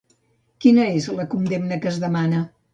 Quina és la condemna que es demana?